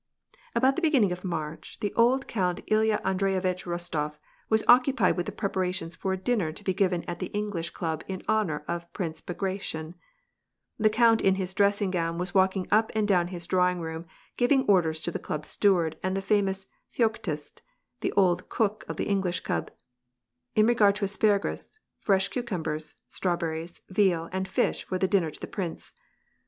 About the beginning of March, the old Count Ilya Andrej vitch Rostof was occupied with the preparations for a din to be given at the English Club in honor of Prince Bagrati The count in his dressing gown was walking up and do his drawing room, giving orders to the club steward and famous Feoktist, the old cook of the English Club, in rega to asparagus, fresh cucumbers, strawberries, veal, and fish f< the dinner to the prince.